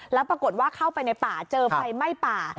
แล้วปรากฏว่าเข้าไปในป่าเจอไฟไหม้ป่า